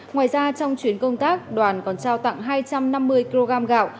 ngoài ra trong chuyến công tác đoàn còn trao tặng hai trăm năm mươi kg gạo